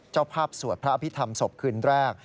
เจ้าภาพสวดพระอภิษฐรรมศพคืนแรก